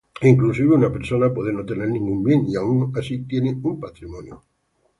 Inclusive, una persona puede no tener ningún bien, y aun así, tiene un patrimonio.